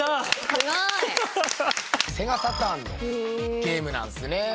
すごい！セガサターンのゲームなんですね。